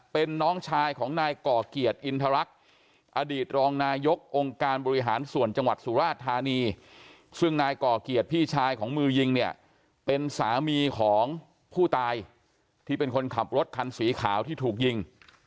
เป็นน้องชายของนายก่อเกียรติอินทรรักษ์อดีตรองนายกองค์การบริหารส่วนจังหวัดสุราชธานีซึ่งนายก่อเกียรติพี่ชายของมือยิงเนี่ยเป็นสามีของผู้ตายที่เป็นคนขับรถคันสีขาวที่ถูกยิง